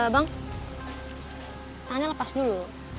bang tangannya lepas dulu